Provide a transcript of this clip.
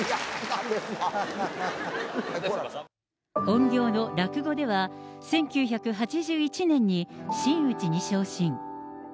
本業の落語では、１９８１年に、真打ちに昇進。